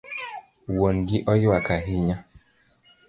Wuon gi oywak ahinya